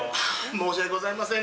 申し訳ございません